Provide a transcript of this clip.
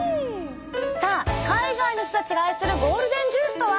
さあ海外の人たちが愛するゴールデンジュースとは？